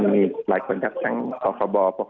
มีหลายคนครับทั้งสคบ